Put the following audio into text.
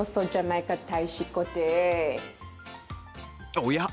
おや？